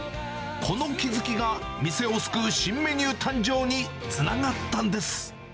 この気付きが店を救う新メニュー誕生につながったんです。